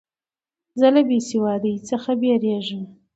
زه له بېسوادۍ څخه بېریږم.